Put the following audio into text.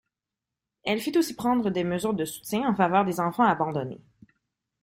Elle fit aussi prendre des mesures de soutien en faveur des enfants abandonnés.